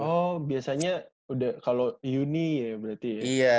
oh biasanya udah kalau uni ya berarti ya